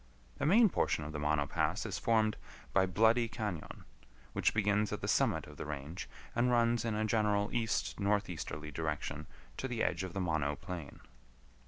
The main portion of the Mono Pass is formed by Bloody Cañon, which begins at the summit of the range, and runs in a general east northeasterly direction to the edge of the Mono Plain.